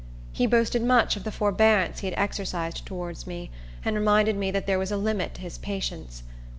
He boasted much of the forbearance he had exercised towards me, and reminded me that there was a limit to his patience.